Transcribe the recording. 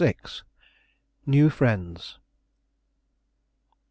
NEW FRIENDS.